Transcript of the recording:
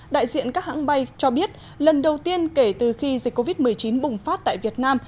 đại diện các hãng bay cho biết lần đầu tiên kể từ khi dịch covid một mươi chín bùng phát tại việt nam